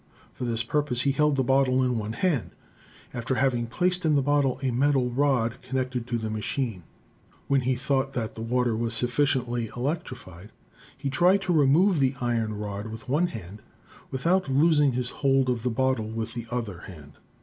For this purpose he held the bottle in one hand, after having placed in the bottle a metal rod connected to. the machine. When he thought the water was sufficiently electrified, he tried to remove the iron rod with one hand without loosing his hold of the bottle with the other hand.